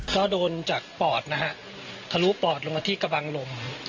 ก็โดนจากปอดนะฮะทะลุปอดลงมาที่กระบังลม